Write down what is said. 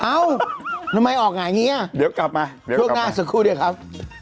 เอาไม่ออกอย่างนี้หรือกะมาหน้าสักครู่ดิครับ